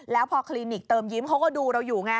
แล้วพอคลินิกเติมยิ้มเขาก็ดูเราอยู่ไง